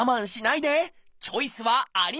チョイスはあります！